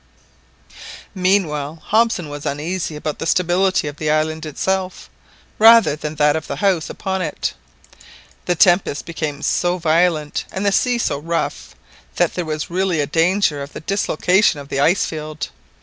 Meanwhile, Hobson was uneasy about the stability of the island itself, rather than that of the house upon it. The tempest became so violent, and the sea so rough, that there was really a danger of the dislocation of the ice field.